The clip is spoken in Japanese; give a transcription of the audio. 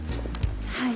はい。